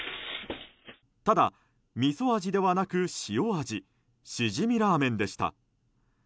ただ、みそ味ではなくしお味しじみラーメンでした。